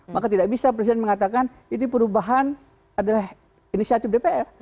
maka tidak bisa presiden mengatakan ini perubahan adalah inisiatif dpr